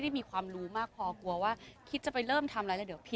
บางทีเค้าแค่อยากดึงเค้าต้องการอะไรจับเราไหล่ลูกหรือยังไง